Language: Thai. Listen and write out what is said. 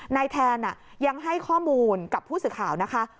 แทนยังให้ข้อมูลกับผู้สื่อข่าวนะคะ